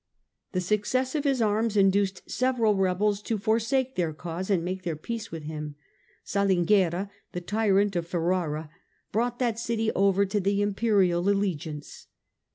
The success of his arms induced several rebels to forsake their cause and make their peace with him. Salinguerra, the tyrant of Ferrara, brought that city over to the Imperial allegiance.